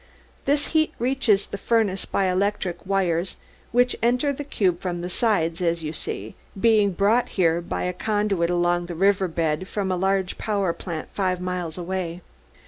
This heat reaches the furnace by electric wires which enter the cube from the sides, as you see, being brought here by a conduit along the river bed from a large power plant five miles away.